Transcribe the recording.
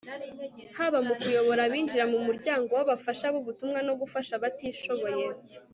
haba mukuyobora abinjiraga mu muryango w'abafasha b'ubutumwa no gufasha abatishoboye